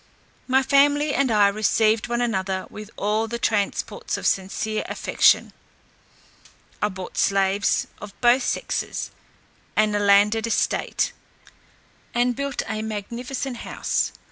My family and I received one another with all the transports of sincere affection. I bought slaves of both sexes, and a landed estate, and built a magnificent house.